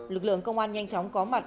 lực lượng công an nhanh chóng có mặt